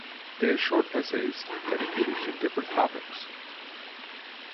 They are short essays dedicated to different topics.